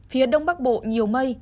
phía đông bắc bộ nhiều mây